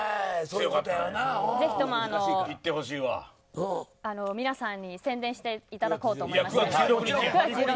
ぜひとも皆さんに宣伝していただこうと思いまして。